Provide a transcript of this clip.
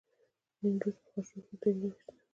د نیمروز په خاشرود کې د تیلو نښې شته.